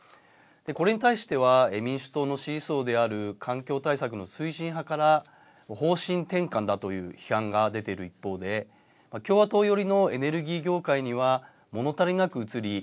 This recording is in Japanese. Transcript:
これに対しては民主党の支持層である環境対策の推進派から方針転換だという批判が出ている一方で共和党寄りのエネルギー業界にはもの足りなく映り